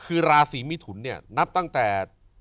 คือราศีมิถุนเนี่ยนับตั้งแต่